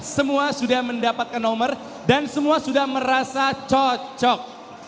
semua sudah mendapatkan nomor dan semua sudah merasa cocok